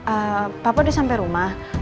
ehm papa udah sampe rumah